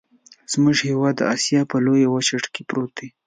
زمونږ هیواد د اسیا په لویه وچه کې پروت دی.